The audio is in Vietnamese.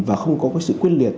và không có cái sự quyết liệt